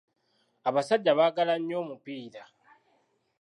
Abasajja baagala nnyo omupiira.